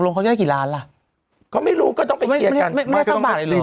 ด้งอักษรภาคแล้วในไม่เพียบแทนหรอกบางปีกว่านี้ก็ได้กี่ล้านอ่ะไม่เข้ามา